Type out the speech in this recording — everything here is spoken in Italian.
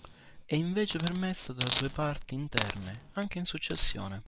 È invece permessa tra due parti interne, anche in successione.